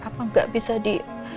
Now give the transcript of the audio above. kamu gak bisa di